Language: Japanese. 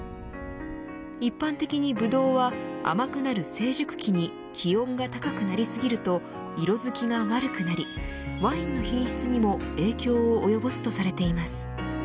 一般的にブドウは甘くなる成熟期に気温が高くなり過ぎると色づきが悪くなりワインの品質にも影響を及ぼすとされています。